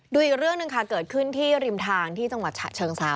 อีกเรื่องหนึ่งค่ะเกิดขึ้นที่ริมทางที่จังหวัดฉะเชิงเซา